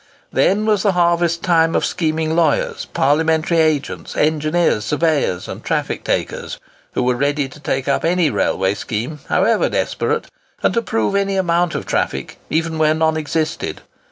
Then was the harvest time of scheming lawyers, parliamentary agents, engineers, surveyors, and traffic takers, who were ready to take up any railway scheme however desperate, and to prove any amount of traffic even where none existed.